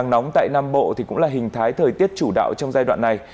nắng nóng tại nam bộ cũng là hình thái thời tiết chủ đạo trong giai đoạn này